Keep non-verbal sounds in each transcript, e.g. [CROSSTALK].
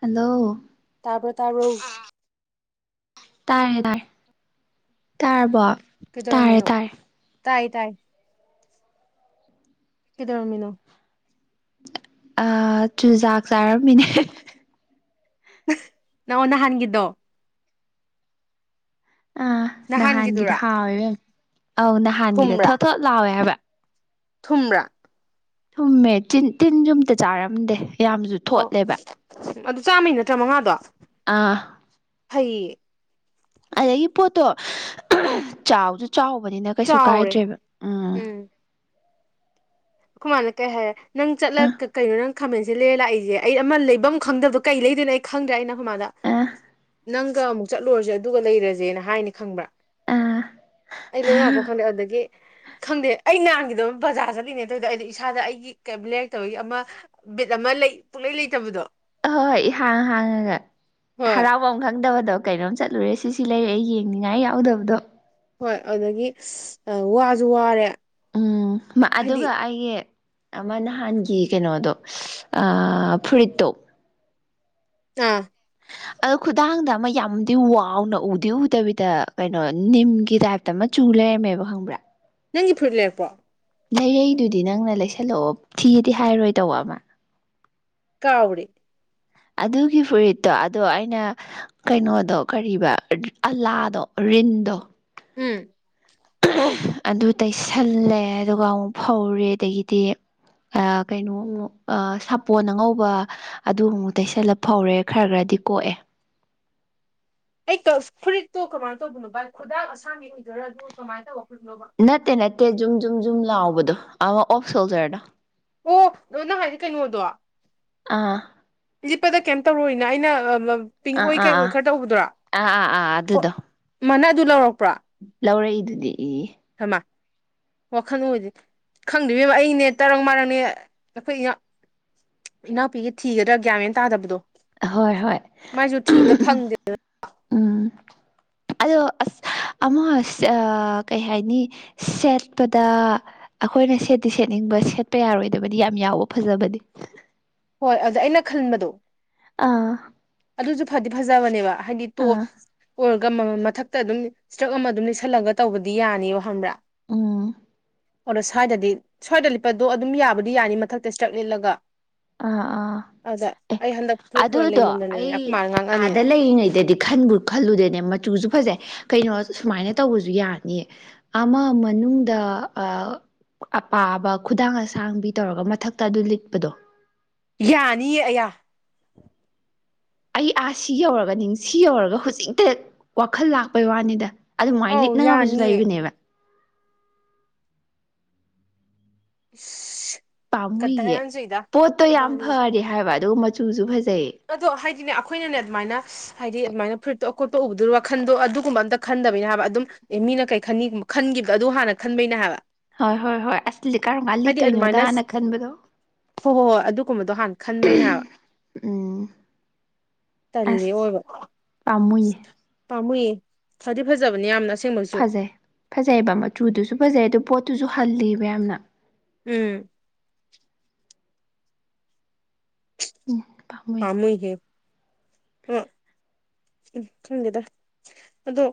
hello ꯇꯥꯕ꯭ꯔ‌ꯣ ꯇꯥꯕ꯭ꯔ‌ꯣ ꯇꯥꯔꯦ ꯇꯥꯔꯦ ꯇꯥꯔꯕꯣ ꯇꯥꯔꯦ ꯀꯩꯗꯧꯔꯝꯃꯤꯅꯣ ꯇꯥꯔꯦ ꯇꯥꯏ ꯇꯥꯏ ꯀꯩꯗꯧꯔꯝꯃꯤꯅꯣ ꯑ ꯆꯨꯖꯥꯛ ꯆꯥꯔꯝꯃꯤꯅꯦ [UNINTELLIGIBLE] [UNINTELLIGIBLE] ꯅꯑ‌ꯣ ꯅꯍꯥꯟꯒꯤꯗꯣ ꯑꯥ ꯅꯍꯥꯟꯒꯤꯗꯨꯔꯥ ꯅꯍꯥꯟꯒꯤꯗ‌ꯣ ꯍꯥꯎꯋꯦ ꯏꯕ‌ꯦꯝꯃ ꯑꯧ ꯅꯍꯥꯟꯒꯤꯗ‌ꯣ ꯊꯨꯝꯕ꯭ꯔꯥ ꯊꯣꯠ ꯊꯣꯠ ꯂꯥꯎꯋꯦ ꯍꯥꯏꯕ ꯊꯨꯝꯕ꯭ꯔꯥ ꯊꯨꯝꯃꯦ ꯇꯤꯟ ꯇꯤꯟꯖꯨ ꯑꯝꯇ ꯆꯥꯔꯝꯗꯦ ꯌꯥꯝꯁꯨ ꯑꯣ ꯊꯣꯠꯂꯦꯕ ꯑꯗꯨ ꯆꯥꯝꯃꯩ ꯅꯠꯇ꯭ꯔ ꯃꯉꯥꯗꯣ ꯑꯥ ꯐꯩꯌꯦ ꯑꯗꯒꯤ ꯄꯣꯠꯇꯣ [UNINTELLIGIBLE] ꯆꯥꯎꯖꯨ ꯆꯥꯎꯕꯅꯤꯅ ꯀꯩꯁꯨ ꯆꯥꯎꯔꯦ ꯀꯥꯏꯗ꯭ꯔꯦꯕ ꯎꯝ ꯑꯩꯈ‌ꯣꯏꯃꯥꯅ ꯀꯩ ꯍꯥꯏꯔꯦ ꯅꯪ ꯑꯥ ꯆꯠꯂꯒ ꯀ ꯀꯩꯅꯣ ꯅꯪ ꯈꯥꯃꯦꯟꯁꯤꯟ ꯂꯩꯔ ꯂꯥꯛꯏꯁꯦ ꯑꯩ ꯑꯃ ꯂꯩꯐꯝ ꯈꯪꯗꯕꯗꯣ ꯀꯩ ꯂꯩꯗꯣꯏꯅ‌ꯣ ꯑꯩ ꯈꯪꯗ꯭ꯔꯦ ꯑꯩꯅ ꯑꯈ‌ꯣꯏꯃꯥꯗ ꯑ ꯅꯪꯒ ꯑꯃꯨꯛ ꯆꯠꯂꯨꯔꯁꯦ ꯑꯗꯨꯒ ꯂꯩꯔꯖꯦꯅ ꯍꯥꯏꯅꯦ ꯈꯪꯕ꯭ꯔꯥ ꯑꯥ ꯑꯩ ꯂꯩꯕꯝ ꯂꯥꯛꯄꯝ ꯈꯪꯗꯦ ꯑꯗꯒꯤ ꯈꯪꯗꯦ ꯑꯩ ꯅꯍꯥꯟꯒꯤꯗꯣ ꯕꯖꯥꯔ ꯆꯠꯂꯤꯅꯦꯅ__ ‌ꯇꯧꯌꯤꯗꯣ ꯑꯩꯗꯤ ꯏꯁꯥꯗ ꯑꯩꯒꯤ ꯀꯦꯝ ꯂꯩꯔꯛꯇꯕꯒꯤ ꯑꯃ ꯕꯤꯠ ꯑꯃ ꯂꯩ ꯄꯨꯛꯂꯩ ꯂꯩꯇꯕꯗꯣ ꯑꯍꯣꯏ ꯍꯣꯏ [UNINTELLIGIBLE] ꯕꯝ ꯈꯪꯗꯕꯗꯣ ꯀꯩꯅꯣꯝ ꯆꯠꯂꯨꯔꯦ ꯁꯤ ꯁꯤ ꯂꯩꯔꯛꯏ ꯌꯦꯡꯅꯤꯡꯉꯥꯏ ꯌꯥꯎꯗꯕꯗꯣ ꯍꯣꯏ ꯑꯗꯨꯗꯒꯤ ꯏꯁ ꯋꯥꯖꯨ ꯋꯥꯔꯦ ꯎꯝ ꯃꯥ ꯍꯥꯏꯗꯤ ꯑꯗꯨꯒ ꯑꯩꯒꯤ ꯑꯃ ꯅꯍꯥꯟꯒꯤ ꯀꯩꯅꯣꯗꯣ ꯑ ꯐꯨꯔꯤꯠꯇꯣ ꯑꯥ ꯑꯗꯨ ꯈꯨꯗꯥꯡꯗ ꯑꯃ ꯌꯥꯝꯗꯤ ꯋꯥꯎꯅ ꯎꯗꯤ ꯎꯗꯕꯤꯗ ꯀꯩꯅꯣ ꯅꯤꯝꯒꯤ ꯇꯥꯏꯞ__ ꯇ ꯑꯃ ꯆꯨ ꯂꯩꯔꯝꯃꯦꯕ ꯈꯪꯕ꯭ꯔꯥ ꯅꯪꯒꯤ ꯐꯨꯔꯤꯠ ꯂꯩꯔꯛꯄ꯭ꯔꯣ ꯂꯩꯔꯛꯏꯗꯨꯗꯤ ꯅꯪꯅ ꯂꯩꯁꯜꯂꯛꯑꯣ ꯊꯤꯌꯦꯗꯤ ꯍꯥꯏꯔꯣꯏ ꯇꯧꯕ ꯑꯃ ꯀꯥꯎꯔ‌ꯦ ꯑꯗꯨꯒꯤ ꯐꯨꯔꯤꯠꯇꯣ ꯑꯗꯣ ꯑꯩꯅ ꯀꯩꯅꯣꯗꯣ ꯀꯔꯤꯕ ꯔ ꯑꯂꯥꯗꯣ ꯔꯤꯟꯗꯣ ꯎꯝ [UNINTELLIGIBLE] ꯑꯗꯨ ꯇꯩꯁꯜꯂꯦ ꯑꯗꯨꯒ ꯑꯃꯨꯛ ꯐꯧꯔꯤ ꯑꯗꯒꯤꯗꯤ ꯑꯥ ꯀꯩꯅꯣ ꯑꯃꯨꯛ ꯑꯥ ꯁꯥꯄꯣꯟ ꯑꯉꯧꯕ ꯑꯗꯨ ꯑꯃꯨꯛ ꯇꯩꯁꯜꯂ ꯐꯧꯔꯦ ꯈꯔ ꯈꯔꯗꯤ ꯀꯣꯛꯑꯦ ꯑꯩ ꯀꯁ ꯐꯨꯔꯤꯠꯇꯣ ꯀꯃꯥꯏꯅ ꯇꯧꯕꯅꯣ ꯚꯥꯏ ꯈꯨꯗꯥꯡ ꯑꯁꯥꯡꯕꯤ ꯑꯧꯏꯗ‌ꯣꯏꯔ ꯑꯗꯨꯒ ꯀꯃꯥꯏ ꯇꯧꯕ ꯐꯨꯔꯤꯠꯅ‌ꯣꯕ ꯅꯠꯇꯦ ꯅꯠꯇꯦ ꯖꯨꯝ ꯖꯨꯝ ꯖꯨꯝ ꯂꯥꯎꯕꯗꯣ ꯑꯃ ꯑꯣꯐ ꯁꯣꯜꯖꯔꯗꯣ ꯑꯣ ꯑꯣ ꯅꯪ ꯍꯥꯏꯖ‌ꯦ ꯀꯩꯅꯣꯗꯣ ꯑꯥ ꯂꯤꯠꯄꯗ ꯀꯦꯝ ꯇꯧꯔ‌ꯣꯏꯅ ꯑꯩꯅ ꯑ ꯑ ꯄꯤꯡ ꯑꯥ ꯑꯣꯏ ꯑꯥ ꯀꯩ ꯑꯣꯏ ꯑꯥ ꯈꯔ ꯇꯧꯕꯗꯨꯔꯣ ꯑꯥ ꯑꯥ ꯑꯥ ꯐꯣꯠ ꯑꯗꯨꯗꯣ ꯃ ꯅꯪ ꯑꯗꯨ ꯂꯧꯔꯛꯄ꯭ꯔꯣ ꯂꯧꯔꯛꯏꯗꯨꯗꯤ ꯏ ꯍꯃꯥ ꯋꯥꯈꯜ ꯑꯣꯏꯗ‌ꯦ ꯈꯪꯗ‌ꯦ ꯏꯕ‌ꯦꯝꯃ ꯑꯩꯅꯦ ꯇꯔꯪ ꯃꯔꯪꯅꯦ ꯑꯩꯈꯣꯏ ꯌꯥ ꯏꯅꯥꯎꯄꯤꯒꯤ ꯊꯤꯒꯗꯥ ꯒ꯭ꯌꯥꯠꯃꯦꯟ ꯇꯥꯗꯕꯗꯣ ꯍꯣꯏ ꯍꯣꯏ ꯃꯥꯏꯁꯨ ꯊꯤꯕꯗ [UNINTELLIGIBLE] ꯐꯪꯗꯦ ꯎꯝ ꯑꯗꯣ ꯑꯁ ꯑꯃ ꯑꯁ ꯑꯥ ꯀꯩ ꯍꯥꯏꯅꯤ ꯁꯦꯠꯄꯗ ꯑꯩꯈꯣꯏꯅ ꯁꯦꯠꯇꯤ ꯁꯦꯠꯅꯤꯡꯕ ꯁꯦꯠꯄ ꯌꯥꯔꯣꯏꯗꯕꯗꯤ ꯌꯥꯝ ꯌꯥꯎꯕ ꯐꯖꯕꯗꯤ ꯍꯣꯏ ꯑꯗꯥ ꯑꯩꯅ ꯈꯟꯕꯗꯣ ꯑꯥ ꯑꯗꯨꯁꯨ ꯐꯗꯤ ꯐꯖꯕꯅꯦꯕ ꯍꯥꯏꯗꯤ ꯇꯣꯞ ꯑꯥ ꯑꯣꯏ ꯒ ꯃꯊꯛꯇ ꯑꯗꯨꯝ ꯏꯁꯇ꯭ꯔꯛ ꯑꯃ ꯑꯗꯨꯝ ꯂꯩꯁꯜꯂꯒ ꯇꯧꯕꯗꯤ ꯌꯥꯅꯤꯕ ꯈꯪꯕ꯭ꯔꯥ ꯎꯝ ꯑꯗꯣ ꯁ꯭ꯋꯥꯏꯗꯗꯤ ꯁ꯭ꯋꯥꯏꯗ ꯂꯤꯠꯄꯗꯣ ꯑꯗꯨꯝ ꯌꯥꯕꯨꯗꯤ ꯌꯥꯅꯤ ꯃꯊꯛꯇ ꯏꯁꯇ꯭ꯔꯛ ꯂꯤꯠꯂꯒ ꯑꯥ ꯑꯥ ꯑꯗꯨꯗ ꯑꯦ ꯑꯩ ꯍꯟꯗꯛ ꯐꯨꯔꯤꯠ ꯐꯨꯔ ꯑꯗꯨꯗꯣ ꯂꯩꯃꯟꯗꯅꯅꯦ ꯑꯩ ꯑꯩꯈꯣꯏ ꯃꯥꯅ ꯉꯥꯡꯉꯛꯑꯅꯤꯅ ꯑꯥꯗ ꯂꯩꯔꯤꯉꯩꯗꯗꯤ ꯈꯟꯕꯨ ꯈꯜꯂꯨꯗꯦꯅꯦ ꯃꯆꯨꯁꯨ ꯐꯖꯩ ꯀꯩꯅꯣ ꯁꯨꯃꯥꯏꯅ ꯇꯧꯕꯁꯨ ꯌꯥꯅꯤꯌꯦ ꯑꯃ ꯃꯅꯨꯡꯗ ꯑꯥ ꯑꯄꯥꯕ ꯈꯨꯗꯥꯡ ꯑꯁꯥꯡꯕꯤ ꯇꯧꯔꯒ ꯃꯊꯛꯇ ꯑꯗꯨ ꯂꯤꯠꯄꯗꯣ ꯌꯥꯅꯤꯌꯦ ꯑꯌꯥ ꯑꯩ ꯑꯥ ꯁꯤ ꯌꯧꯔꯒ ꯅꯤꯡ ꯁꯤ ꯌꯧꯔꯒ ꯍꯧꯖꯤꯛꯇ ꯋꯥꯈꯜ ꯂꯥꯛꯄꯩ ꯋꯥꯅꯤꯗ ꯑꯗꯨꯃꯥꯏꯅ ꯑꯧ ꯂꯤꯠꯅꯕꯁꯨ ꯌꯥꯅꯤꯌꯦ ꯂꯩꯕꯅꯦꯕ [UNINTELLIGIBLE] ꯒꯗꯔ ꯄꯥꯝꯃꯨꯏꯌꯦ ꯌꯥꯝ ꯆꯨꯏꯗ ꯄꯣꯠꯇꯣ ꯌꯥꯝ ꯏꯕꯥꯅꯤꯁꯦ ꯐꯔꯤ ꯍꯥꯏꯕ ꯑꯗꯨꯒ ꯃꯆꯨꯁꯨ ꯐꯖꯩ ꯑꯗꯣ ꯍꯥꯏꯗꯤꯅꯦ ꯑꯩꯈꯣꯏꯅꯅꯦ ꯑꯗꯨꯃꯥꯏꯅ ꯍꯥꯏꯗꯤ ꯑꯗꯨꯃꯥꯏꯅ ꯐꯨꯔꯤꯠꯇꯣ ꯑꯀꯣꯠꯄ ꯎꯕꯗꯨ ꯋꯥꯈꯟꯗꯣ ꯑꯗꯨꯒꯨꯝꯕ ꯑꯝꯇ ꯈꯟꯗꯕꯩꯅꯦ ꯍꯥꯏꯕ ꯑꯗꯨꯝ ꯑꯦ ꯃꯤꯅ ꯀꯩ ꯈꯟꯅꯤ ꯈꯟꯈꯤꯕ ꯑꯗꯨ ꯍꯥꯟꯅ ꯈꯟꯕꯩꯅꯦ ꯍꯥꯏꯕ ꯍꯣꯏ ꯍꯣꯏ ꯍꯣꯏ ꯑꯁꯤꯗꯤ ꯀꯔꯝꯃꯥꯏꯅ ꯍꯥꯏꯗꯤ ꯑꯗꯨꯃꯥꯏꯅ ꯂꯤꯠꯇꯨꯏꯅꯣꯗꯥꯅ ꯈꯟꯕꯗꯣ ꯍꯣꯏ ꯑꯗꯨꯒꯨꯝꯕꯗꯣ ꯍꯥꯟꯅ ꯈꯟꯕꯩꯅꯦ ꯍꯥꯏꯕ ꯎꯝ ꯇꯜꯂꯤ ꯑꯁ ꯑꯣꯏꯕ ꯄꯥꯝꯃꯨꯏꯌꯦ ꯑꯁ ꯄꯥꯝꯃꯨꯏꯌꯦ ꯐꯗꯤ ꯐꯖꯕꯅꯤ ꯌꯥꯝꯅ ꯑꯁꯦꯡꯕ [UNINTELLIGIBLE] ꯐꯖꯩꯕ ꯃꯆꯨꯗꯨꯁꯨ ꯐꯖꯩ ꯑꯗꯨ ꯄꯣꯠꯇꯨꯁꯨ ꯍꯜꯂꯤꯕ ꯌꯥꯝꯅ ꯎꯝ ꯎꯝ ꯄꯥꯝꯃꯨꯏ ꯄꯥꯝꯃꯨꯏꯍꯦ [UNINTELLIGIBLE] ꯈꯪꯗꯦꯗ ꯑꯗꯣ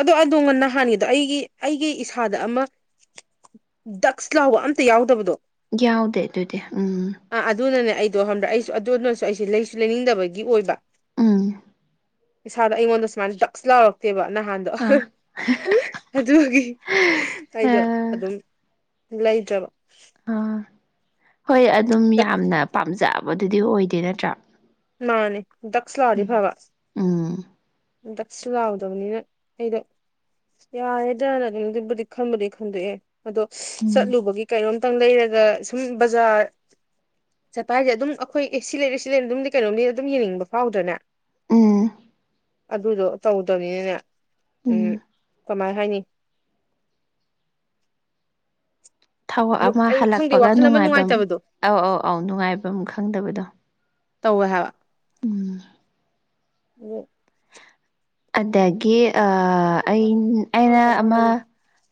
ꯑꯗꯣ ꯑꯗꯣ ꯅꯍꯥꯟꯒꯤꯗꯣ ꯑꯩꯒꯤ ꯑꯩꯒꯤ ꯏꯁꯥꯗ ꯑꯃ ꯗꯛꯁ ꯂꯥꯎꯕ ꯑꯝꯇ ꯌꯥꯎꯗꯕꯗꯣ ꯌꯥꯎꯗꯦ ꯑꯗꯨꯗꯤ ꯎꯝ ꯑꯥ ꯑꯗꯨꯅꯅꯦ ꯑꯩꯗꯣ ꯈꯪꯕ꯭ꯔꯥ ꯑꯩꯁꯨ ꯑꯗꯨꯅꯁꯨ ꯑꯩꯁꯦ ꯂꯩꯁꯨ ꯂꯩꯅꯤꯡꯗꯕꯒꯤ ꯑꯣꯏꯕ ꯎꯝ ꯏꯁꯥꯗ ꯑꯩꯉꯣꯟꯗ ꯁꯨꯃꯥꯏꯅ ꯗꯛꯁ ꯂꯥꯎꯔꯛꯇꯦꯕ ꯅꯍꯥꯟꯗꯣ ꯑꯥ ꯑꯗꯨꯒꯤ ꯑꯩꯗꯣ ꯑꯗꯨꯝ ꯂꯩꯗ꯭ꯔꯕ ꯑꯥ ꯍꯣꯏ ꯑꯗꯨꯝ ꯗꯛ ꯌꯥꯝꯅ ꯄꯥꯝꯖꯕꯗꯨꯗꯤ ꯑꯣꯏꯗꯦ ꯅꯠꯇ꯭ꯔꯥ ꯃꯥꯅꯦ ꯗꯛꯁ ꯂꯥꯎꯔꯗꯤ ꯎꯝ ꯐꯕ ꯎꯝ ꯗꯛꯁ ꯁꯨ ꯂꯥꯎꯗꯕꯅꯤꯅ ꯑꯩꯗꯣ ꯌꯥꯔꯦꯗꯥ ꯑꯗꯨꯝ ꯑꯗꯨꯕꯨꯗꯤ ꯈꯟꯕꯨꯗꯤ ꯈꯟꯗꯣꯛꯑꯦ ꯑꯗꯣ ꯆꯠꯂꯨꯕꯒꯤ ꯀꯩꯅꯣꯝ- ꯇꯪ ꯂꯩꯔꯒ ꯁꯨꯝ ꯕꯖꯥꯔ ꯆꯠꯄ ꯍꯥꯏꯁꯦ ꯑꯗꯨꯝ ꯑꯩꯈꯣꯏ ꯑꯦ ꯁꯤ ꯂꯩꯔꯛꯑꯦ ꯁꯤ ꯂꯩꯔꯔꯛꯑꯦ ꯑꯗꯨꯝꯗꯤ ꯀꯩꯅꯣꯝꯗꯤ ꯑꯗꯨꯝ ꯌꯦꯡꯅꯤꯡꯕ ꯐꯥꯎꯗ꯭ꯔꯅꯦ ꯎꯝ ꯑꯗꯨꯗꯣ ꯇꯧꯗꯕꯅꯤꯅꯅꯦ ꯎꯝ ꯀꯃꯥꯏ ꯍꯥꯏꯅꯤ ꯊꯕꯛ ꯑꯃ ꯑꯩ ꯈꯪꯗꯦ ꯍꯜꯂꯛꯄꯒ ꯋꯥꯈꯜ ꯑꯃ ꯅꯨꯡꯉꯥꯏꯐꯝ ꯅꯨꯡꯉꯥꯏꯇꯕꯗꯣ ꯑꯧ ꯑꯧ ꯑꯧ ꯅꯨꯡꯉꯥꯏꯐꯝ ꯈꯪꯗꯕꯗꯣ ꯇꯧꯋꯦ ꯍꯥꯏꯕ ꯎꯝ ꯎ ꯑꯗꯒꯤ ꯑ ꯑ ꯄꯩꯁꯥꯗꯣ ꯑꯩꯅ ꯂꯨꯄꯥ ꯆꯥꯝ ꯑꯃ ꯂꯧꯔꯤꯗꯣ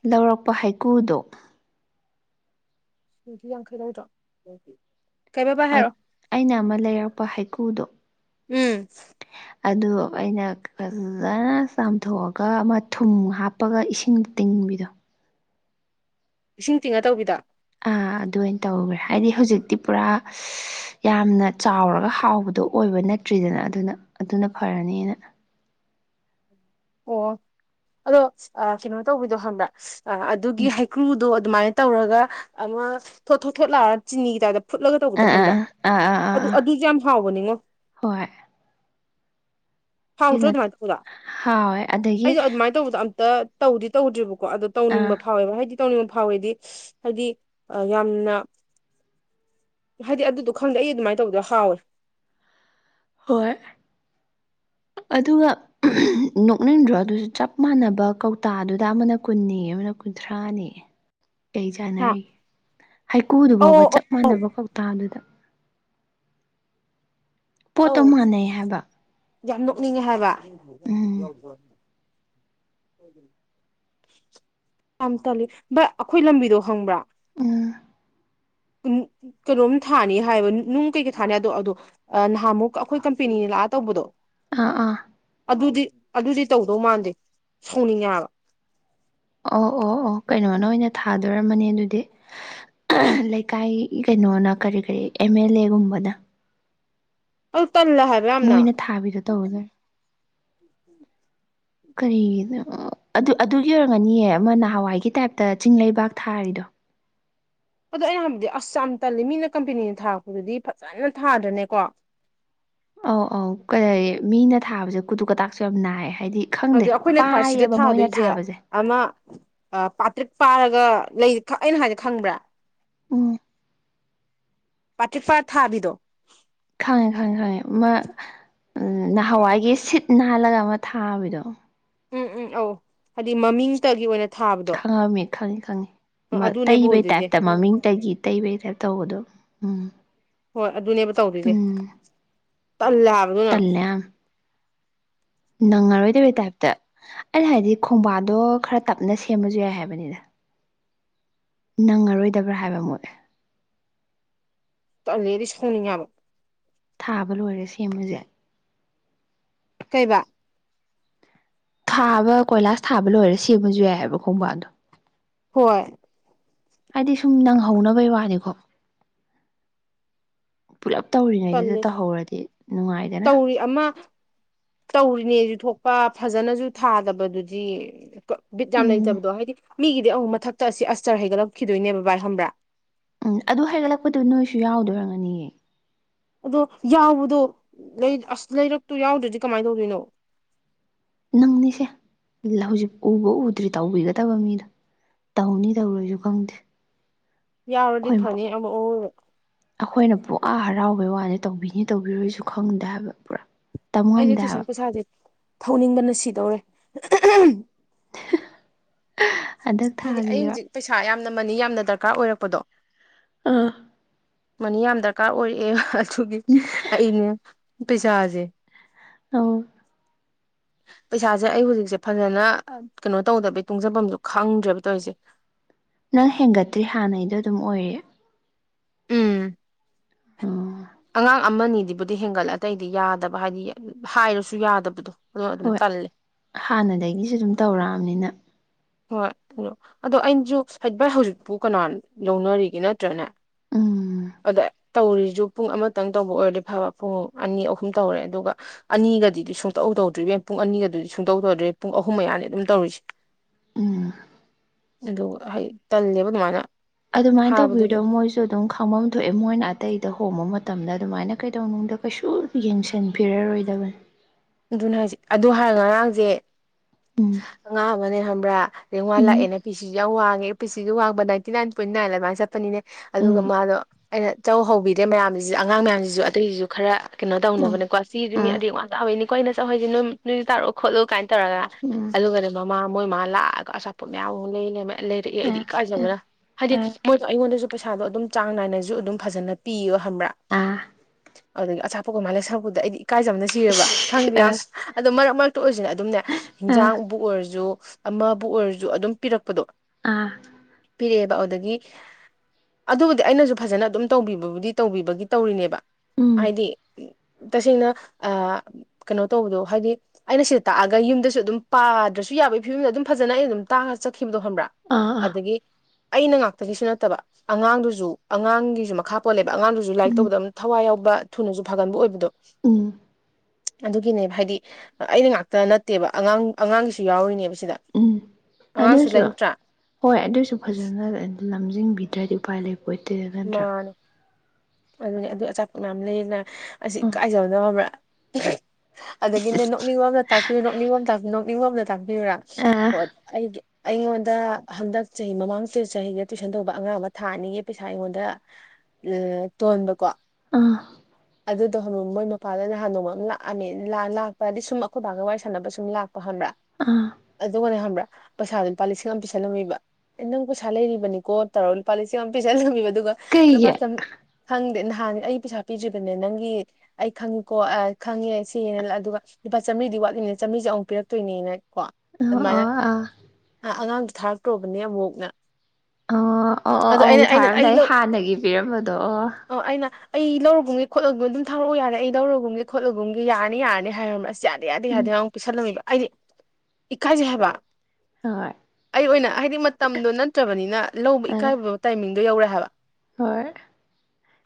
ꯂꯧꯔꯛꯄ ꯍꯩꯀꯨꯗꯣ ꯁꯤꯗꯤ ꯌꯥꯡꯈꯩ ꯂꯧꯗ꯭ꯔꯣ ꯀꯩꯔꯤꯕꯕꯥ ꯍꯦꯔꯣ ꯑꯩꯅ ꯑꯃ ꯂꯩꯔꯛꯄ ꯍꯩꯀꯨꯗꯣ ꯎꯝ ꯑꯗꯨ ꯑꯩꯅ ꯐꯖꯅ ꯆꯥꯝꯊꯣꯛꯑꯒ ꯃꯊꯨꯝ ꯍꯥꯞ ꯀꯞꯄꯒ ꯏꯁꯤꯡ ꯇꯤꯡꯕꯤꯗꯣ ꯏꯁꯤꯡ ꯇꯤꯡꯉ ꯇꯧꯕꯤꯗ ꯑꯥ ꯑꯗꯨꯅ ꯇꯧꯈ꯭ꯔꯦ ꯍꯥꯏꯗꯤ ꯍꯧꯖꯤꯛꯇꯤ ꯄꯨꯔꯥ ꯌꯥꯝꯅ ꯆꯥꯎꯔꯒ ꯍꯥꯎꯕꯗꯣ ꯑꯣꯏꯕ ꯅꯠꯇ꯭ꯔꯤꯗꯅ ꯑꯗꯨꯅ ꯑꯗꯨꯅ ꯐꯔꯅꯤꯅ ꯑꯣ ꯑꯗꯣ ꯀꯩꯅꯣ ꯇꯧꯕꯤꯗꯣ ꯍꯪꯕ꯭ꯔꯥ ꯑꯗꯨꯒꯤ ꯎꯝ ꯍꯩꯀ꯭ꯔꯨꯗꯣ ꯑꯗꯨꯃꯥꯏꯅ ꯇꯧꯔꯒ ꯑꯃ ꯊꯣꯠ ꯊꯣꯠ ꯊꯣꯠ ꯂꯥꯛꯑꯒ ꯆꯤꯅꯤꯒꯤ ꯇꯥꯏꯞꯇ ꯐꯨꯠꯂꯒ ꯇꯧꯕꯗꯣ ꯑꯥ ꯍꯕ꯭ꯔꯥ ꯑꯥ ꯑꯥ ꯑꯥ ꯑꯥ ꯑꯥ ꯑꯗꯨ ꯑꯥ ꯑꯗꯨꯁꯨ ꯌꯥꯝ ꯍꯥꯎꯕꯅꯤꯉꯣ ꯍꯣꯏ ꯐꯥꯎꯗ꯭ꯔꯣ ꯀꯩꯅꯣ ꯑꯗꯨꯃꯥꯏꯅ ꯄꯨꯔꯥ ꯍꯥꯎꯋꯦ ꯑꯗꯒꯤ ꯑꯩꯁꯨꯣ ꯑꯗꯨꯃꯥꯏꯅ ꯇꯧꯕꯗꯣ ꯑꯝꯇ ꯇꯧꯗꯤ ꯇꯧꯗ꯭ꯔꯤꯕꯀꯣ ꯑꯗꯣ ꯇꯧꯅꯤꯡꯕ ꯑꯥ ꯐꯥꯎꯋꯦꯕ ꯍꯥꯏꯗꯤ ꯇꯧꯅꯤꯡꯕ ꯐꯥꯎꯋꯦꯗꯤ ꯍꯥꯏꯗꯤ ꯌꯥꯝꯅ ꯍꯥꯏꯗꯤ ꯑꯗꯨꯗꯣ ꯈꯪꯗꯦ ꯑꯩ ꯑꯗꯨꯃꯥꯏꯅ ꯇꯧꯕꯗꯣ ꯍꯥꯎꯋꯦ ꯍꯣꯏ ꯑꯗꯨꯒ ꯅꯣꯛꯅꯤꯡꯗ꯭ꯔꯣ ꯑꯗꯨꯁꯨ ꯆꯞ ꯃꯥꯟꯅꯕ ꯀꯧꯇꯥꯗꯨꯗ ꯑꯃꯅ ꯀꯨꯟꯅꯤ ꯑꯃꯅ ꯀꯨꯟꯊ꯭ꯔꯥꯅꯦ ꯀ ꯍꯥ ꯆꯥꯟꯅꯔꯤꯒꯦ ꯍꯩꯀꯨꯗꯨ ꯑꯧ ꯐꯥꯎꯕ ꯑꯧ ꯆꯞ ꯃꯥꯟꯅꯕ ꯀꯧꯇꯥꯗꯨꯗ ꯄꯣꯠꯇꯣ ꯑꯧ ꯃꯥꯟꯅꯩ ꯍꯥꯏꯕ ꯌꯥꯝ ꯅꯣꯛꯅꯤꯡꯉꯦ ꯍꯥꯏꯕ ꯎꯝ ꯌꯥꯝ ꯇꯜꯂꯤ ꯕ ꯑꯩꯈꯣꯏ ꯂꯝꯕꯤꯗꯣ ꯍꯪꯕ꯭ꯔꯥ ꯎꯝ ꯀꯩꯅꯣꯝ ꯊꯥꯅꯤ ꯍꯥꯏꯌꯦꯕ ꯅꯨꯡ ꯀꯩꯀꯩ ꯊꯥꯅꯤ ꯑꯗꯣ ꯑꯗꯣ ꯅꯍꯥꯟꯃꯨꯛ ꯑꯩꯈꯣꯏ ꯀꯝꯄꯦꯅꯤꯅ ꯂꯥꯛꯑ ꯇꯧꯕꯗꯣ ꯑꯥ ꯑꯥ ꯑꯗꯨꯗꯤ ꯑꯗꯨꯗꯤ ꯇꯧꯗꯧ ꯃꯥꯟꯗꯦ ꯁꯣꯡꯅꯤꯡꯉꯦ ꯍꯥꯏꯕ ꯑꯣ ꯑꯣ ꯑꯣ ꯀꯩꯅꯣꯅ ꯑꯣꯏꯅ ꯊꯥꯗꯣꯔꯝꯕꯅꯤ ꯑꯗꯨꯗꯤ ꯂꯩꯀꯥꯏ ꯀꯩꯅꯣꯅ ꯀꯔꯤ ꯀꯔꯤ ꯑꯦꯝ ꯑꯦꯜ ꯑꯦꯒꯨꯝꯕꯅ ꯑꯜ ꯇꯜ ꯍꯥ ꯃꯣꯏꯅ ꯊꯥꯕꯤꯗꯣ ꯇꯧꯔꯨꯗꯔꯦ ꯀꯔꯤꯒꯤꯅ ꯑꯗꯨ ꯑꯗꯨꯒꯤ ꯑꯣꯏꯔꯒꯅꯤꯑ ꯑꯃ ꯅꯍꯥꯟꯋꯥꯏꯒꯤ ꯇꯥꯏꯞꯇ ꯆꯤꯡ ꯂꯩꯩꯕꯥꯛ ꯊꯥꯔꯤꯗꯣ ꯑꯗꯣ ꯑꯩꯅ ꯍꯥꯏꯕꯗꯤ ꯑꯁ ꯌꯥꯝꯅ ꯇꯜꯂꯤ ꯃꯤꯅ ꯀꯝꯄꯦꯅꯤꯅ ꯊꯥꯔꯛꯄꯗꯨꯗꯤ ꯐꯖꯅ ꯊꯥꯗ꯭ꯔꯅꯦꯀꯣ ꯑꯧ ꯑꯧ ꯀꯔꯤ ꯃꯤꯅ ꯊꯥꯕꯁꯦ ꯀꯨꯗꯨꯨ ꯀꯇꯥꯛꯁꯨ ꯌꯥꯝ ꯅꯥꯏꯌꯦ ꯍꯥꯏꯗꯤ ꯈꯪꯗꯦ ꯑꯗꯨꯗꯤ ꯑꯩꯈꯣꯏꯅ ꯁꯤꯗ ꯄꯥꯏꯌꯦꯕ ꯃꯣꯏꯅ ꯊꯥꯗꯣꯏꯁꯦ ꯊꯥꯕꯁꯦ ꯑꯃ ꯄꯥꯇ꯭ꯔꯤꯛ ꯄꯥꯔꯒ ꯂꯩ ꯑꯩꯅ ꯍꯥꯏꯗ ꯈꯪꯕ꯭ꯔꯥ ꯑꯣ ꯄꯥꯔꯇꯤꯐꯥꯔ ꯊꯥꯕꯤꯗꯣ ꯈꯪꯉꯦ ꯈꯪꯉꯦ ꯈꯪꯉꯦ ꯃꯥ ꯅꯍꯥꯟꯋꯥꯏꯒꯤ ꯁꯤꯠ ꯅꯥꯜꯂꯒ ꯑꯃ ꯊꯥꯕꯤꯗꯣ ꯎꯝ ꯎꯝ ꯑꯧ ꯍꯥꯏꯗꯤ ꯃꯃꯤꯡꯇꯒꯤ ꯑꯣꯏꯅ ꯊꯥꯕꯗꯣ ꯈꯪꯉꯝꯃꯤ ꯈꯪꯉꯤ ꯈꯪꯉꯤ ꯑꯗꯨꯅꯦꯕ ꯇꯩꯕꯩ ꯑꯣꯏꯗꯣꯏꯁꯦ ꯇꯥꯏꯞꯇ ꯃꯃꯤꯡꯇꯒꯤ ꯇꯩꯕꯩ ꯇꯥꯏꯞ ꯇꯧꯕꯗꯣ ꯎꯝ ꯍꯣꯏ ꯑꯗꯨꯅꯦꯕ ꯇꯧꯗꯣꯏꯁꯦ ꯍꯥꯏꯕꯗꯨꯅ ꯇꯂ ꯅꯪꯉꯔꯣꯏꯗꯔꯣꯏ ꯇꯥꯏꯞꯇ ꯑꯩꯅ ꯍꯥꯏꯗꯤ ꯈꯣꯡꯕꯥꯗꯣ ꯈꯔ ꯇꯞꯅ ꯁꯦꯝꯃꯁꯨ ꯌꯥꯏ ꯍꯥꯏꯕꯅꯤꯗ ꯅꯪꯉꯔꯣꯏꯗꯕ꯭ꯔꯥ ꯍꯥꯏꯕ ꯃꯣꯠꯂꯦ ꯂꯩꯔꯤꯁꯉꯕ ꯊꯥꯕ ꯂꯣꯏꯔꯦ ꯁꯦꯝꯃꯨꯁꯦ ꯀꯩꯕ ꯊꯥꯕ ꯀꯣꯏꯂꯥꯁ ꯊꯥꯕ ꯂꯣꯏꯔꯒ ꯁꯦꯝꯕꯁꯨ ꯌꯥꯏꯑꯕ ꯈꯣꯡꯕꯥꯟꯗꯣ ꯍꯣꯏ ꯍꯥꯏꯗꯤ ꯁꯨꯝ ꯅꯪꯍꯧꯅꯕꯩ ꯋꯥꯅꯤꯀꯣ ꯄꯨꯜꯂꯞ ꯇꯧꯔꯤꯉꯩꯗꯨꯗ ꯇꯧꯍꯧꯔꯗꯤ ꯅꯨꯡꯉꯥꯏꯗꯅ ꯄꯨꯏ ꯑꯃ ꯇꯧꯔꯤꯅꯦꯁꯨ ꯊꯣꯛꯄ ꯐꯖꯅꯁꯨ ꯊꯥꯗꯕꯗꯨꯗꯤ ꯕꯤꯠ ꯌꯥꯝ ꯎꯝ ꯂꯩꯇꯕꯗꯣ ꯍꯥꯏꯗꯤ ꯃꯤꯒꯤꯗꯤ ꯑꯃꯨꯛ ꯃꯊꯛꯇ ꯑꯁꯤ ꯑꯁꯇꯔ ꯍꯩꯒꯠꯂꯛꯈꯤꯗꯣꯏꯅꯦꯕ ꯚꯥꯏ ꯈꯪꯕ꯭ꯔꯥ ꯎꯝ ꯑꯗꯨ ꯍꯥꯏꯒꯠꯂꯛꯄꯗꯨ ꯅꯣꯏꯁꯨ ꯌꯥꯎꯗꯣꯏ ꯑꯣꯏꯔꯝꯒꯅꯤꯌꯦ ꯑꯗꯣ ꯌꯥꯎꯕꯗꯣ ꯂꯩ ꯑꯁ ꯂꯩꯔꯛꯇꯣ ꯌꯥꯎꯗ꯭ꯔꯗꯤ ꯀꯃꯥꯏꯅ ꯇꯧꯗꯣꯏꯅꯣ ꯅꯪꯅꯤꯁꯦ ꯍꯧꯖꯤꯛ ꯎꯕ ꯎꯗ꯭ꯔꯤ ꯇꯧꯕꯤꯒꯗꯕ ꯃꯤꯗꯣ ꯇꯧꯅꯤ ꯇꯧꯔꯣꯏꯁꯨ ꯈꯪꯗꯦ ꯌꯥꯎꯔꯗꯤ ꯑꯩꯈꯣꯏ ꯐꯅꯤ ꯑꯃꯨꯛ ꯑꯥꯑꯣꯏꯕ ꯑꯩꯈꯣꯏꯅ ꯄꯨꯡꯍꯥ ꯍꯔꯥꯎꯕꯩ ꯋꯥꯅꯤ ꯇꯧꯕꯤꯅꯤ ꯇꯧꯕꯤꯔꯣꯏꯁꯨ ꯈꯪꯗꯦ ꯍꯥꯏꯕ ꯄꯨꯔꯥ ꯑꯩꯩꯗꯤ ꯇꯝꯉꯝꯗꯦ ꯍꯥꯏꯕ ꯇꯨꯏꯁꯟ ꯄꯩꯁꯥꯁꯦ ꯊꯧꯅꯤꯡꯕꯅ ꯁꯤꯗꯧꯔꯦ ꯍꯟꯗꯛ ꯍꯥꯏꯗꯤ ꯑꯩ ꯊꯥꯒꯤꯔ ꯍꯧꯖꯤꯛ ꯄꯩꯁꯥ ꯌꯥꯝꯅ ꯃꯅꯤ ꯌꯥꯝꯅ ꯗꯔꯀꯥꯔ ꯑꯣꯏꯔꯛꯄꯗꯣ ꯑꯥ ꯃꯅꯤ ꯌꯥꯝ ꯗꯔꯀꯥꯔ ꯑꯣꯏꯔꯛꯑꯦ ꯑꯗꯨꯒꯤ ꯑꯩꯅꯦ ꯄꯩꯁꯥꯁꯦ ꯑꫭ ꯄꯩꯁꯥꯁꯦ ꯑꯩ ꯍꯧꯖꯤꯛꯁꯦ ꯐꯖꯅ ꯀꯩꯅꯣ ꯇꯧꯗꯕꯩ ꯇꯨꯡꯖꯐꯝꯗꯣ ꯈꯪꯗ꯭ꯔꯦꯕ ꯇꯧꯔꯤꯁꯦ ꯅꯪ ꯍꯦꯟꯒꯠꯇ꯭ꯔꯤ ꯍꯥꯟꯅꯩꯗꯣ ꯑꯗꯨꯝ ꯑꯣꯏꯔꯤ ꯎꯝ ꯑꯣ ꯑꯉꯥꯡ ꯑꯃ ꯑꯅꯤꯗꯤꯕꯨꯗꯤ ꯍꯦꯟꯒꯠꯂ ꯑꯇꯩꯗꯤ ꯌꯥꯗꯕ ꯍꯥꯏꯗꯤ ꯍꯥꯏꯔꯁꯨ ꯌꯥꯗꯕꯗꯣ ꯑꯗꫭ ꯑꯗꯨꯝ ꯍꯣꯏ ꯇꯜꯂꯦ ꯍꯥꯟꯅꯗꯒꯤꯁꯨ ꯑꯗꯨꯝ ꯇꯧꯔꯛꯑꯕꯅꯤꯅ ꯍꯣꯏ ꯑꯗ ꯑꯗꯣ ꯑꯩꯅꯁꯨ ꯚꯥꯏ ꯍꯧꯖꯤꯛꯄꯨ ꯀꯅꯥ ꯂꯧꯅꯔꯤꯒꯦ ꯅꯠꯇ꯭ꯔꯅꯦ ꯎꯝ ꯑꯗꯥ ꯇꯧꯔꯤꯁꯨ ꯄꯨꯡ ꯑꯃꯇꯪ ꯇꯧꯕ ꯑꯣꯏꯔꯗꯤ ꯐꯕ ꯄꯨꯡ ꯑꯅꯤ ꯑꯍꯨꯝ ꯇꯧꯔꯦ ꯑꯗꯨꯒ ꯑꯅꯤꯒꯗꯨꯗꯤ ꯁꯨꯡꯇꯧ ꯇꯧꯗ꯭ꯔꯦ ꯏꯕꯦꯝꯃꯥ ꯄꯨꯡ ꯑꯅꯤꯒꯗꯨꯗꯤ ꯁꯨꯡꯇꯧ ꯇꯧꯗ꯭ꯔꯦ ꯄꯨꯡ ꯑꯍꯨꯝ ꯃꯌꯥꯅꯤ ꯑꯗꯨꯝ ꯇꯧꯔꯤꯁꯦ ꯎꯝ ꯑꯗꯨ ꯍꯩ ꯇꯜꯂꯦꯕ ꯑꯗꯨꯃꯥꯏꯅ ꯑꯗꯨꯃꯥꯏꯅ ꯇꯧꯕꯤꯗꯣ ꯍꯥꯏꯕꯗꯨꯁꯨ ꯃꯣꯏꯁꯨ ꯑꯗꯨꯝ ꯈꯪꯐꯝ ꯊꯣꯛꯑꯦ ꯃꯣꯏꯅ ꯑꯇꯩꯗ ꯍꯣꯡꯕ ꯃꯇꯝꯗ ꯑꯗꯨꯃꯥꯏꯅ ꯀꯩꯗꯧꯅꯨꯡꯗ ꯀꯩꯁꯨ ꯌꯦꯡꯁꯤꯟꯕꯤꯔꯔꯣꯏꯗꯕꯅꯤ ꯑꯗꯨꯅꯦ ꯍꯥꯏꯁꯦ ꯑꯗꯨ ꯍꯥꯏꯔ ꯉꯔꯥꯡꯁꯦ ꯎꯝ ꯑꯉꯥꯡ ꯑꯃꯅꯦ ꯈꯪꯕ꯭ꯔꯥ ꯔꯦꯡꯋꯥꯜ ꯂꯥꯛꯑꯦꯅ ꯄꯤ ꯁꯤꯁꯨ ꯌꯥꯝ ꯋꯥꯡꯉꯦ ꯄꯤ ꯁꯤꯁꯨ ꯋꯥꯡꯕ ꯅꯥꯏꯟꯇꯤ ꯅꯥꯏꯟ ꯄꯣꯏꯟ ꯅꯥꯏꯟ ꯑꯗꯨꯃꯥꯏꯅ ꯆꯠꯄꯅꯤꯅꯦ ꯑꯗꯨꯒ ꯎꯝ ꯃꯥꯗꯣ ꯑꯩꯅ ꯆꯧ ꯍꯧꯕꯤꯗꯦ ꯃꯌꯥꯝꯁꯤꯁꯨ ꯑꯉꯥꯡ ꯃꯌꯥꯝꯁꯤꯁꯨ ꯑꯇꯩꯁꯤꯁꯨ ꯈꯔ ꯀꯩꯅꯣ ꯎꯝ ꯇꯧꯅꯕꯅꯦꯀꯣ ꯁꯤꯁꯨ ꯃꯤ ꯎꯝ ꯔꯦꯡꯋꯥꯟ ꯇꯥꯕꯅꯤꯀꯣ ꯑꯩꯅ ꯆꯧ ꯍꯥꯏꯁꯦ ꯅꯣꯏꯁꯨ ꯇꯥꯔꯛ ꯈꯣꯠꯂꯨ ꯀꯥꯏꯅ ꯇꯧꯔꯒ ꯎꯝ ꯑꯗꯨꯒꯅꯦ ꯃꯃꯥ ꯃꯣꯏꯃꯥ ꯂꯥꯛꯑꯒ ꯑꯆꯥꯄꯣꯠ ꯃꯌꯥꯝ ꯑꯃꯨꯛ ꯂꯩ ꯂꯩꯔꯝꯃꯦ ꯂꯩꯔꯛꯑꯦ ꯑ ꯑꯩꯗꯤ ꯑ ꯏꯀꯥꯏꯖꯕꯅ ꯍꯥꯏꯗꯤ ꯑ ꯃꯣꯏꯗ ꯑꯩꯉꯣꯟꯗꯁꯨ ꯄꯩꯁꯥꯗꯣ ꯑꯗꯨꯝ ꯆꯥꯡ ꯅꯥꯏꯅꯁꯨ ꯑꯗꯨꯝ ꯐꯖꯅ ꯄꯤꯌꯦꯕ ꯈꯪꯕ꯭ꯔꯥ ꯑꯥ ꯑꯗꯨꯗꯒꯤ ꯑꯆꯥꯄꯣꯠꯀ ꯃꯥꯏ ꯂꯩꯁꯤꯟ ꯔꯛꯄꯨꯗ ꯑꯩꯗꯤ ꯏꯀꯥꯏꯖꯅ ꯁꯤꯔꯕ ꯈꯪꯗꯦ ꯌꯥꯝ ꯑ ꯑꯗꯣ ꯃꯔꯛ ꯃꯔꯛꯇ ꯑꯣꯏꯔꯁꯤꯅ ꯑꯗꯨꯝꯅꯦ ꯑ ꯍꯤꯟꯖꯥꯡꯕꯨ ꯑꯣꯏꯔꯁꯨ ꯑꯃꯕꯨ ꯑꯣꯏꯔꯁꯨ ꯑꯗꯨꯝ ꯄꯤꯔꯛꯄꯗꯣ ꯑꯥ ꯄꯤꯔꯛꯑꯦꯕ ꯑꯗꯨꯗꯒꯤ ꯑꯗꯨꯕꯨꯗꯤ ꯑꯩꯅꯁꯨ ꯐꯖꯅ ꯑꯗꯨꯝ ꯇꯧꯕꯤꯕꯕꯨꯗꯤ ꯇꯧꯕꯤꯕꯒꯤ ꯇꯧꯔꯤꯅꯦꯕ ꯎꯝ ꯍꯥꯏꯗꯤ ꯇꯁꯦꯡꯅ ꯑ ꯀꯩꯅꯣ ꯇꯧꯕꯗꯣ ꯍꯥꯏꯗꯤ ꯑꯩꯅ ꯁꯤꯗ ꯇꯥꯛꯑꯒ ꯌꯨꯝꯗꯁꯨ ꯑꯗꯨꯝ ꯄꯥꯗ꯭ꯔꯁꯨ ꯌꯥꯕꯒꯤ ꯐꯤꯕꯝꯗ ꯑꯗꯨꯝ ꯐꯖꯅ ꯑꯩꯅ ꯑꯗꯨꯝ ꯇꯥꯡꯑꯒ ꯆꯠꯈꯤꯕꯗꯣ ꯈꯪꯕ꯭ꯔꯥ ꯑꯥ ꯑꯥ ꯑꯗꯥꯒꯤ ꯑꯩꯅ ꯉꯥꯛꯇꯒꯤꯁꯨ ꯅꯠꯇꯕ ꯑꯉꯥꯡꯗꯨꯁꯨ ꯑꯉꯥꯡꯒꯤꯁꯨ ꯃꯈꯥ ꯄꯣꯜꯂꯦꯕ ꯑꯉꯥꯡꯗꯨꯁꯨ ꯂꯥꯏꯔꯤꯛ ꯎꯝ ꯇꯧꯕꯗꯣ ꯑꯗꯨꯝ ꯊꯋꯥꯏ ꯌꯥꯎꯕ ꯊꯨꯅꯁꯨ ꯐꯒꯟꯕ ꯑꯣꯏꯕꯗꯣ ꯎꯝ ꯑꯗꯨꯒꯤꯅꯦꯕ ꯍꯥꯏꯗꯤ ꯑꯩꯅ ꯉꯥꯛꯇ ꯅꯠꯇꯦꯕ ꯑꯉꯥꯡ ꯑꯉꯥꯡꯒꯤꯁꯨ ꯌꯥꯎꯔꯤꯅꯦꯕ ꯁꯤꯗ ꯎꯝ ꯑꯉꯥꯡꯁꯨ ꯑꯗꯨꯁꯨ ꯂꯩꯇ꯭ꯔꯥ ꯍꯣꯏ ꯑꯗꯨꯁꯨ ꯐꯖꯅ ꯂꯝꯖꯤꯡꯕꯤꯗ꯭ꯔꯗꯤ ꯎꯄꯥꯏ ꯂꯩꯔ ꯑꯣꯏꯇꯔꯒꯟ ꯅꯗ꯭ꯔꯥ ꯑꯗꯨꯅꯤ ꯑꯗꯨ ꯑꯆꯥꯄꯠ ꯃꯌꯥꯝ ꯂꯩꯌꯦꯅ ꯑꯁꯤ ꯏ ꯎꯝ ꯀꯥꯏꯖꯕꯗꯣ ꯕ꯭ꯔꯥ ꯑꯗꯒꯤꯅꯦ ꯅꯣꯛꯅꯤꯡꯂꯣꯝꯅ ꯇꯥꯛꯄꯤꯌꯨ ꯅꯣꯛꯅꯤꯡꯉꯣꯝꯄꯤ ꯅꯣꯛꯅꯤꯡꯉꯣꯝꯗ ꯇꯥꯛꯄꯤꯕꯨꯔꯥ ꯑ ꯍ ꯑꯩꯒꯤ ꯑꯩꯉꯣꯟꯗ ꯍꯟꯗꯛ ꯆꯍꯤ ꯃꯃꯥꯡ ꯆꯍꯤꯗ ꯇꯨꯋꯏꯁꯟ ꯇꯧꯕ ꯑꯉꯥꯡ ꯑꯃ ꯊꯥꯅꯤꯌꯦ ꯄꯩꯁꯥ ꯑꯩꯉꯣꯟꯗ ꯎꯝ ꯇꯣꯟꯕꯀꯣ ꯑꯥ ꯑꯗꯨꯗꯣ ꯃꯣꯏ ꯃꯄꯥꯗ ꯅꯍꯥꯟ ꯅꯣꯡꯃ ꯑꯃ ꯂꯥꯛꯑꯝꯃꯦ ꯂ ꯂꯥꯛꯄ ꯍꯥꯏꯗꯤ ꯁꯨꯝ ꯑꯩꯈꯣꯏ ꯕꯥꯒ ꯋꯥꯔꯤ ꯁꯥꯟꯅꯕ ꯁꯨꯝ ꯂꯥꯛꯄ ꯈꯪꯕ꯭ꯔꯥ ꯎꯝ ꯑꯗꯨꯒꯅꯦ ꯈꯪꯕ꯭ꯔꯥ ꯄꯩꯁꯥꯗꯣ ꯂꯨꯄꯥ ꯂꯤꯁꯤꯡ ꯑꯃ ꯄꯤꯁꯜꯂꯝꯃꯤꯕ ꯑꯦ ꯅꯪ ꯄꯩꯁꯥ ꯂꯩꯔꯤꯕꯅꯤꯀꯣ ꯇꯧꯔꯣ ꯂꯨꯄꯥ ꯂꯤꯁꯤꯡ ꯑꯃ ꯄꯩꯁꯥꯂꯝꯃꯤꯕ ꯑꯗꯨꯒ ꯂꯨꯄꯥ ꯀꯩꯒꯤ ꯆꯝ ꯈꯪꯗꯦ ꯅꯍꯥꯟ ꯑꯩ ꯄꯩꯁꯥ ꯄꯤꯗ꯭ꯔꯤꯕꯅꯦ ꯅꯪꯒꯤ ꯑꯩ ꯈꯪꯉꯀꯣ ꯈꯪꯉꯦ ꯁꯤꯅ ꯑꯗꯨꯒ ꯂꯨꯄꯥ ꯆꯥꯝꯔꯤꯗꯤ ꯋꯥꯠꯂꯤꯅꯤꯅ ꯆꯥꯝꯔꯤꯁꯦ ꯑꯃꯨꯛ ꯄꯤꯔꯛꯇꯣꯏꯅꯦꯅ ꯀꯣ ꯑꯣ ꯑꯗꯨꯃꯥꯏꯅ ꯑꯣ ꯑꯥ ꯑꯉꯥꯡꯗꯨꯣ ꯊꯥꯔꯛꯇ꯭ꯔꯨꯕꯅꯦ ꯑꯃꯨꯛꯅ ꯑꯣ ꯑꯣ ꯑꯣ ꯑꯗꯣ ꯑꯩꯅ ꯑꯃꯨꯛ ꯑꯩꯅ ꯊꯥꯔꯝꯗꯥꯏ ꯍꯥꯟꯅꯒꯤ ꯄꯤꯔꯝꯕꯗꯣ ꯑꯣ ꯑꯣ ꯑꯩꯅ ꯑꯩ ꯂꯧꯔꯨꯒꯨꯝꯒꯦ ꯈꯣꯠꯂꯒꯨꯝ ꯑꯗꯨꯝ ꯊꯥꯔꯛꯎ ꯌꯥꯔꯦ ꯑꯩ ꯂꯧꯔꯨꯒꯨꯝꯒꯦ ꯈꯣꯠꯂꯒꯨꯝꯒ ꯌꯥꯔꯅꯤ ꯌꯥꯔꯅꯤ ꯍꯥꯏꯔꯝꯃꯁ ꯌꯥꯅꯤ ꯌꯥ ꯌꯥꯗꯦ ꯎꯝ ꯌꯥꯗꯦ ꯑꯃꯨꯛ ꯄꯤꯁꯜꯂꯝꯃꯤꯕ ꯑꯩꯗꯤ ꯏꯀꯥꯏꯁꯦ ꯍꯥꯏꯕ ꯍꯣꯏ ꯑꯩ ꯑꯣꯏꯅ ꯍꯥꯏꯗꯤ ꯃꯇꯝꯗꯣ ꯅꯠꯇ꯭ꯔꯕꯅꯤꯅ ꯂꯧꯕ ꯑ ꯏꯀꯥꯏꯕ ꯇꯥꯏꯃꯤꯡꯗꯣ ꯌꯧꯔꯦ ꯍꯥꯏꯕ ꯍꯣꯏ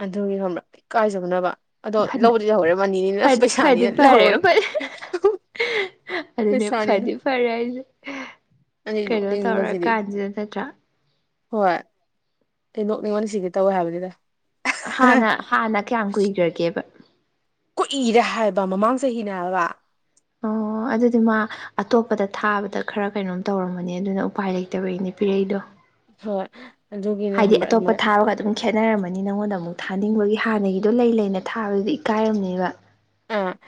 ꯑꯗꯨꯒꯤ ꯈꯪꯕ꯭ꯔꯥ ꯏ ꯀꯥꯏꯖꯕꯅꯕ ꯑꯗꯣ ꯐꯅ ꯂꯧꯕꯗꯤ ꯂꯧꯍꯧꯔꯦ ꯃꯅꯤꯅꯤꯅ ꯐꯗꯤ ꯐꯗꯤ ꯄꯩꯁꯥꯅꯤꯅ ꯂꯧꯍꯧꯔꯦ ꯑꯗꯨ ꯄꯩꯁꯥꯅꯤꯅ ꯐꯗꯤ ꯐꯔ ꯑꯩ ꯀꯩꯅꯣ ꯇꯧꯔ ꯅꯣꯛꯅꯤꯡꯕꯁꯤꯗꯤ ꯀꯟꯖꯤꯗ ꯅꯠꯇ꯭ꯔꯥ ꯍꯣꯏ ꯑꯩ ꯅꯣꯛꯅꯤꯡꯕꯅ ꯁꯤꯒꯦ ꯇꯧꯋꯦ ꯍꯥꯏꯕꯅꯤꯗ ꯍꯥꯟꯅ ꯍꯥꯟꯅ ꯀꯌꯥꯝ ꯀꯨꯏꯈ꯭ꯔꯒꯦꯕ ꯀꯣꯛꯏꯔꯦ ꯍꯥꯏꯕ ꯃꯃꯥꯡ ꯆꯍꯤꯅꯦ ꯍꯥꯏꯕ ꯑꯣ ꯑꯗꯨꯗꯤ ꯃꯥ ꯑꯇꯣꯞꯄꯗ ꯊꯥꯕꯗ ꯈꯔ ꯀꯩꯅꯣꯝ ꯇꯧꯔꯝꯕꯅꯤ ꯑꯗꯨꯅ ꯎꯄꯥꯏ ꯂꯩꯇꯕꯩꯅꯦ ꯄꯤꯔꯛꯏꯗꯣ ꯍꯣꯏ ꯑꯗꯨꯒꯤꯅꯦ ꯍꯥꯏꯗꯤ ꯈꯪꯕ꯭ꯔꯥ ꯑꯇꯣꯞꯄ ꯑꯗꯨꯃꯥꯏꯅ ꯊꯥꯕꯒ ꯑꯗꯨꯝ ꯈꯦꯠꯅꯔꯝꯃꯅꯤ ꯅꯪꯉꯣꯟꯗ ꯑꯃꯨꯛ ꯊꯥꯅꯤꯡꯕꯒꯤ ꯍꯥꯟꯅꯒꯤꯗꯣ ꯂꯩ ꯂꯩꯅ ꯊꯥꯕꯗꯨꯗꯤ ꯏꯀꯥꯏꯔꯝꯅꯦꯕ ꯑ